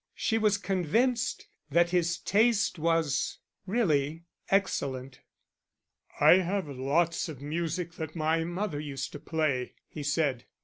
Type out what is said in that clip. She was convinced that his taste was really excellent. "I have lots of music that my mother used to play," he said.